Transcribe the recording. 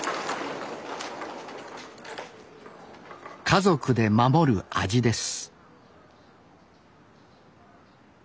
家族で守る味です。